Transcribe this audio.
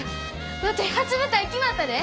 ワテ初舞台決まったで！